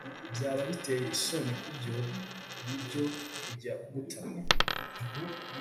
byaba biteye isoni kubyo biryo kujya guta